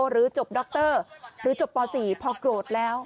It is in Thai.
หรือจบด็อกเตอร์หรือจบป๔พอโกรธแล้ว